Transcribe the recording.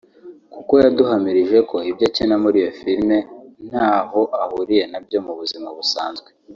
kuko yaduhamirije ko ibyo akina muri iyo filime ntaho ahuriye nabyo mu buzima busanzwe